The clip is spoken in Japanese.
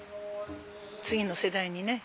次の世代にね